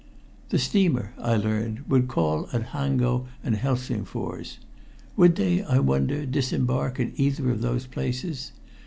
The steamer, I learned, would call at Hango and Helsingfors. Would they, I wonder, disembark at either of those places?